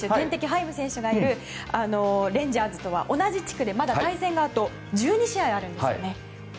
ハイム選手がいるレンジャーズとは同じ地区で、まだ対戦があと１２試合あるんですよね。